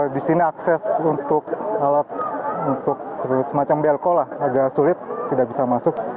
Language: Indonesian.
di sini akses untuk semacam belko agak sulit tidak bisa masuk